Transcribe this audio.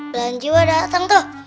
belahan jiwa dateng tuh